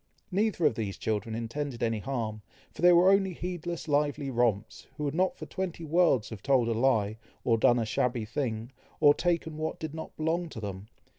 Neither of these children intended any harm, for they were only heedless lively romps, who would not for twenty worlds have told a lie, or done a shabby thing, or taken what did not belong to them.